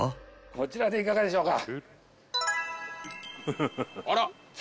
こちらでいかがでしょうか。